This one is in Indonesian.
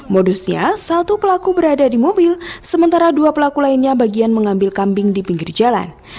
modusnya satu pelaku berada di mobil sementara dua pelaku lainnya bagian mengambil kambing di pinggir jalan